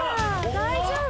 大丈夫？